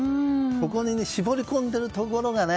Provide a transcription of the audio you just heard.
ここに絞り込んでるところがね